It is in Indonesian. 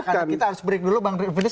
karena kita harus beri dulu bang riffinis